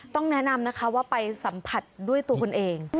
ต้องแนะนำนะคะว่าไปสัมผัสด้วยตัวคุณเอง